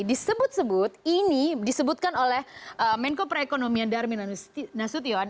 disebut sebut ini disebutkan oleh menko perekonomian darmin nasution